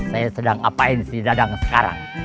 saya sedang apain si dadang sekarang